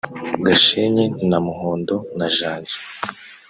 Gashenyi na Muhondo na Janja